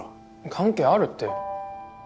関係あるって。